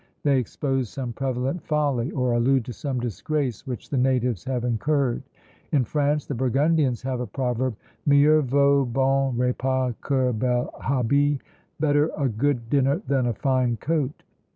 They expose some prevalent folly, or allude to some disgrace which the natives have incurred. In France, the Burgundians have a proverb, Mieux vaut bon repas que bel habit; "Better a good dinner than a fine coat."